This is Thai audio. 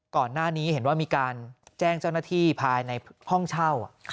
ก่อนหน้านี้เห็นว่ามีการแจ้งเจ้าหน้าที่ภายในห้องเช่า